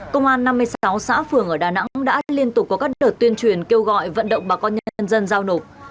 công an năm mươi sáu xã phường ở đà nẵng đã liên tục có các đợt tuyên truyền kêu gọi vận động bà con nhân dân giao nộp